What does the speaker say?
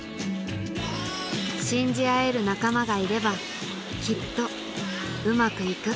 信じ合える仲間がいればきっとウマくいく